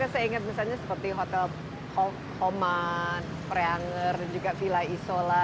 saya ingat misalnya seperti hotel homan preanger juga villa isola